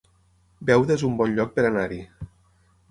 Beuda es un bon lloc per anar-hi